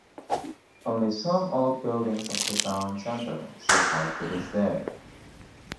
Only some old buildings of the town centre survived to this day.